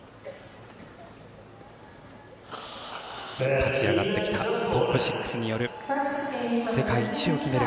勝ち上がってきたトップ６による世界一を決める